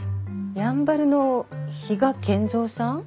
やんばるの比嘉賢三さん？